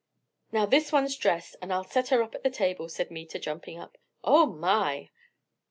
"Now this one's dressed, and I'll set her up to the table," said Meta, jumping up. "Oh my!"